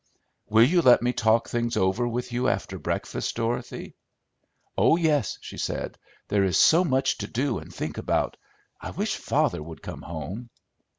"Will you let me talk things over with you after breakfast, Dorothy?" "Oh yes," she said, "there is so much to do and think about. I wish father would come home!"